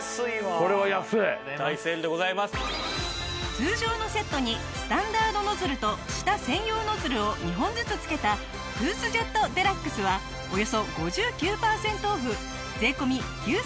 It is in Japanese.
通常のセットにスタンダードノズルと舌専用ノズルを２本ずつ付けたトゥースジェットＤＸはおよそ５９パーセントオフ税込９９８０円！